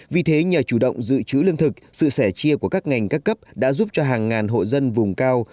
vì thế nhờ chủ động dự trữ lương thực sự sẻ chia của các ngành các cấp đã giúp cho hàng ngàn hộ dân vùng cao